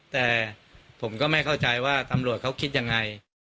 แต่ผมก็ไม่เข้าใจว่าตำรวจเขาคิดยังไง